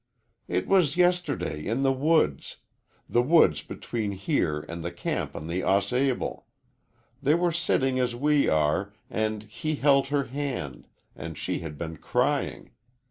"It was yesterday, in the woods the woods between here and the camp on the Au Sable. They were sitting as we are, and he held her hand, and she had been crying.